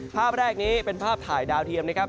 ภาพแรกนี้เป็นภาพถ่ายดาวเทียมนะครับ